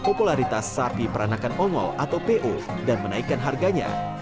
popularitas sapi peranakan ongol atau po dan menaikkan harganya